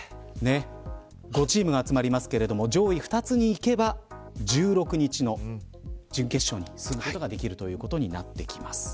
５チームが集まりますが上位２つにいけば１６日の準々決勝に進むことができるということになってきます。